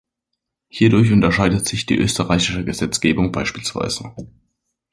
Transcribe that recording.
Hierdurch unterscheidet sich die österreichische Gesetzgebung bspw.